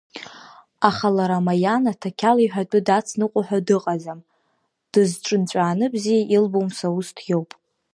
Аха лара Маиана Ҭақьала иҳәатәы дацныҟәо ҳәа дыҟаӡам, дызҿынҵәааны бзиа илбо Мсоусҭ иоуп.